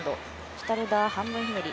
シュタルダー半分ひねり。